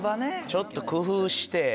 ちょっと工夫して。